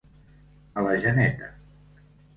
A la geneta.